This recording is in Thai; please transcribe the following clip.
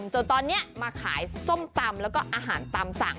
จนตอนนี้มาขายส้มตำแล้วก็อาหารตามสั่ง